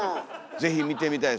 ぜひ見てみたいです。